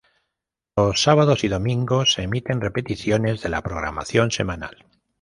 Los sábados y domingos se emiten repeticiones de la programación semanal.